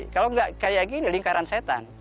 kalau nggak kayak gini lingkaran setan